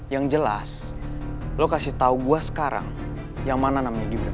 yang jelas lo kasih tahu gue sekarang yang mana namanya gibran